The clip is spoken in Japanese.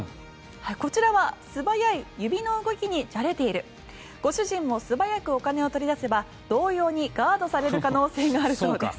こちらは素早い指の動きにじゃれているご主人も素早くお金を取り出せば同様にガードされる可能性があるそうです。